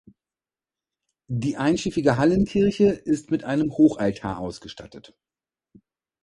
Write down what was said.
Die einschiffige Hallenkirche ist mit einem Hochaltar ausgestattet.